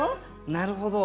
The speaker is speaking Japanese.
なるほど。